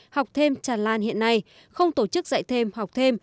học thêm tràn lan hiện nay không tổ chức dạy thêm học thêm